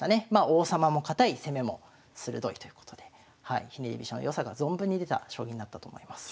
王様も堅い攻めも鋭いということでひねり飛車の良さが存分に出た将棋になったと思います。